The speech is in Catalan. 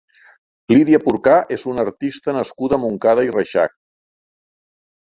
Lídia Porcar és una artista nascuda a Montcada i Reixac.